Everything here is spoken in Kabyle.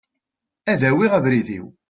Ad awiɣ abrid-iw.